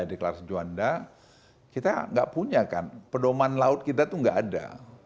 deklarasi juanda kita nggak punya kan pedoman laut kita itu nggak ada